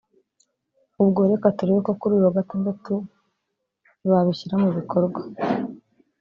ubwo reka turebe ko kuri uyu wa Gatandatu babishyira mu bikorwa”